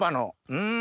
うん！